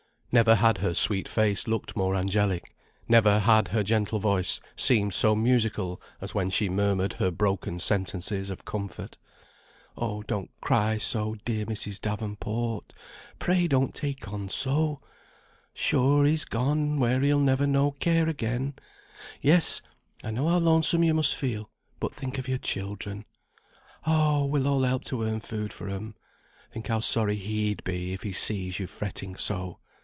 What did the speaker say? Never had her sweet face looked more angelic, never had her gentle voice seemed so musical as when she murmured her broken sentences of comfort. "Oh, don't cry so, dear Mrs. Davenport, pray don't take on so. Sure he's gone where he'll never know care again. Yes, I know how lonesome you must feel; but think of your children. Oh! we'll all help to earn food for 'em. Think how sorry he'd be, if he sees you fretting so.